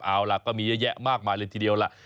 เอาล่ะก็มีเยอะแยะมากมายเลยทีเดียวล่ะ